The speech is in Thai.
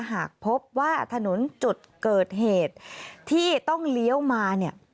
หากพบว่าถนนจุดเกิดเหตุที่ต้องเลี้ยวมาเนี่ย